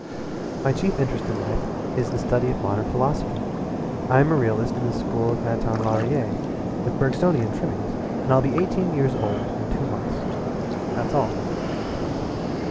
My chief interest in life is the study of modern philosophy. I am a realist of the School of Anton Laurier with Bergsonian trimmings and I'll be eighteen years old in two months. That's all."